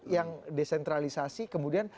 yang desentralisasi kemudian